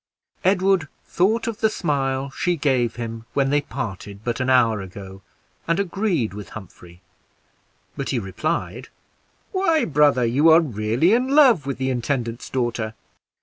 Edward thought of the smile she gave him when they parted but an hour ago, and agreed with Humphrey, but he replied "Why, brother, you are really in love with the intendant's daughter."